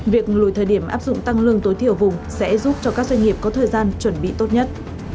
việc lùi thời điểm áp dụng tăng lương tối thiểu vùng sẽ giúp cho các doanh nghiệp có thời gian chuẩn bị tốt nhất